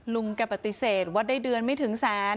ลุงแกปฏิเสธว่าได้เดือนไม่ถึงแสน